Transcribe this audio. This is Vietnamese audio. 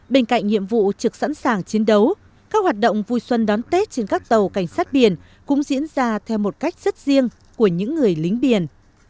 bên cạnh nhiệm vụ trực sẵn sàng chiến đấu các hoạt động vui xuân đón tết trên các tàu cảnh sát biển cũng diễn ra theo một cách rất riêng của những người lính biển